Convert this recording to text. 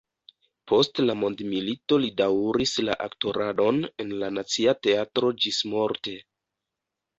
Post la mondomilito li daŭris la aktoradon en la Nacia Teatro ĝismorte.